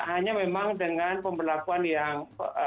hanya memang dengan pemberlakuan yang